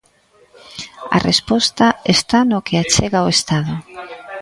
A resposta está no que achega o Estado.